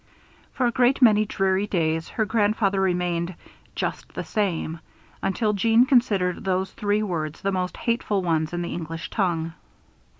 For a great many dreary days, her grandfather remained "Just the same," until Jeanne considered those three words the most hateful ones in the English tongue.